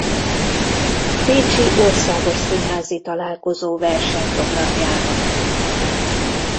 Pécsi Országos Színházi Találkozó versenyprogramjának.